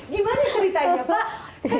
gimana ceritanya pak